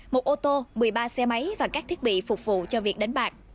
một ô tô một mươi ba xe máy và các thiết bị phục vụ cho việc đánh bạc